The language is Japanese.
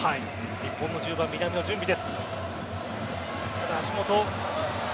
日本の１０番南野、準備です。